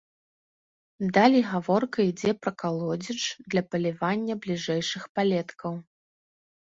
Далей гаворка ідзе пра калодзеж для палівання бліжэйшых палеткаў.